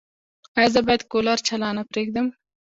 ایا زه باید کولر چالانه پریږدم؟